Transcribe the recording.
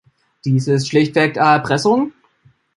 Dies ist schlichtweg Erpressung.